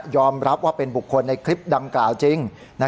รับว่าเป็นบุคคลในคลิปดังกล่าวจริง